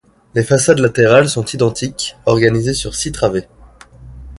Les façades latérales sont identiques, organisées sur six travées.